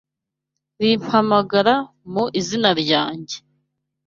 rimpamagara mu izina ryanjye